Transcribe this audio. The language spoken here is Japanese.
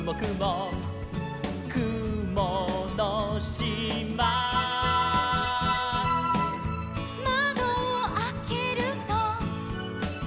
「くものしま」「まどをあけると」